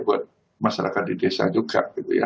buat masyarakat di desa juga